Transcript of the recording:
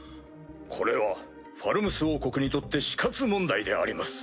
これはファルムス王国にとって死活問題であります。